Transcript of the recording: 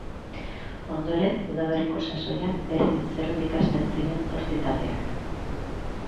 Ondoren udaberriko sasoian berriz zerotik hasten ziren zortzi taldeak.